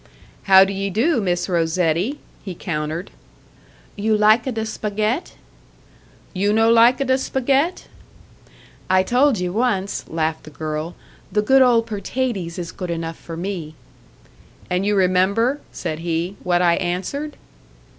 "How do ye do, Miss Rosetti?" he countered. "You lika da spagett?" "You no lika da spagett?" "I told ye once," laughed the girl "the good old pertaties is good enough for me!" "And you remember," said he, "what I answered?"